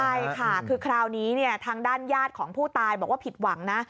ใช่ค่ะคือคราวนี้ทางด้านญาติของผู้ตายบอกว่าผิดหวังนะ